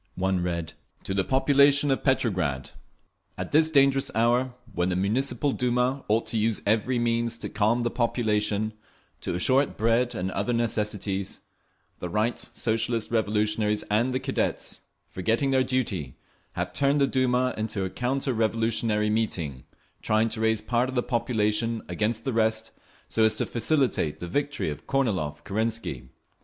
One read: To the Population of Petrograd! At this dangerous hour, when the Municipal Duma ought to use every means to calm the population, to assure it bread and other necessities, the Right Socialist Revolutionaries and the Cadets, forgetting their duty, have turned the Duma into a counter revolutionary meeting, trying to raise part of the population against the rest, so as to facilitate the victory of Kornilov Kerensky.